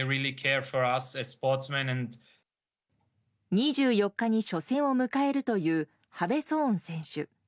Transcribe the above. ２４日に初戦を迎えるというハベソーン選手。